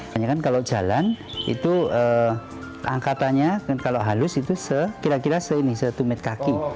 banyakkan kalau jalan itu angkatannya kalau halus itu kira kira se tumit kaki